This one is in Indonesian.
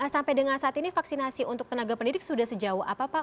sampai dengan saat ini vaksinasi untuk tenaga pendidik sudah sejauh apa pak